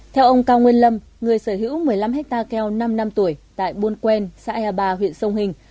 theo ông cao nguyên lâm người sở hữu một mươi năm hectare keo năm năm tuổi tại buôn quên xã ea ba huyện sông hình